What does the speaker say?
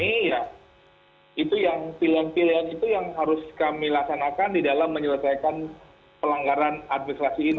ini ya itu yang pilihan pilihan itu yang harus kami laksanakan di dalam menyelesaikan pelanggaran administrasi ini